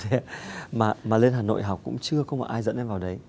thế mà lên hà nội học cũng chưa có ai dẫn em vào đấy